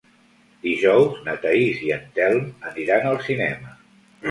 Dijous na Thaís i en Telm aniran al cinema.